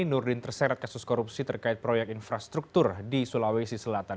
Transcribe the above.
nurdin terseret kasus korupsi terkait proyek infrastruktur di sulawesi selatan